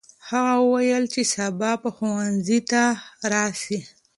هغه وویل چې سبا به ښوونځي ته راسي.